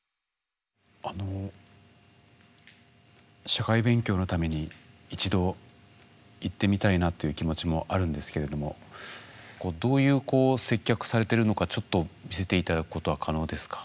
社会勉強のために一度行ってみたいなという気持ちもあるんですけれどもどういう接客されてるのかちょっと見せて頂くことは可能ですか？